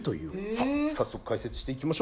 さあ早速解説していきましょう。